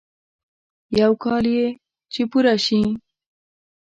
يو کال يې چې پوره شي.